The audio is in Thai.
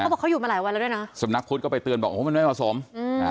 เขาบอกเขาหยุดมาหลายวันแล้วด้วยนะสมนักพุทธก็ไปเตือนบอกโอ้มันไม่ผสมอืม